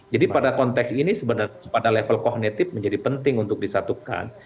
jadi pada konteks ini pada level kognitif menjadi penting untuk disatukan